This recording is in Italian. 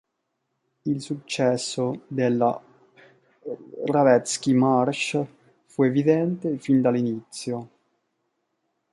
Il successo della "Radetzky-Marsch" fu evidente fin dall'inizio.